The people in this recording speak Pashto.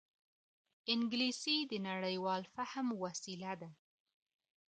انګلیسي د نړيوال فهم وسیله ده